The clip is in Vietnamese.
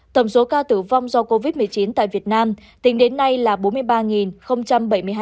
tổng số ca tử vong do covid một mươi chín tại việt nam tính đến nay là bốn mươi ba bảy mươi hai ca